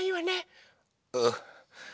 うん。